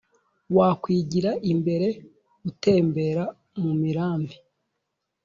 Wakwigira imbere utembera mu mirambi